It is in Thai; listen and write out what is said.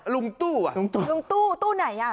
ลุงตู้อ่ะลุงตู่ลุงตู้ไหนอ่ะ